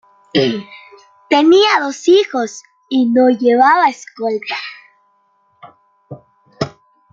Tenía dos hijos y no llevaba escolta.